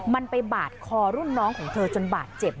มันไปบาดคอรุ่นน้องของเธอจนบาดเจ็บ